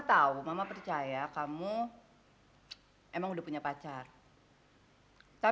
terima kasih banyak ya nek ya